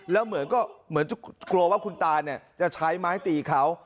แล้วเหมือนกลัวว่าคุณตาจะใช้ไม้ตีเขา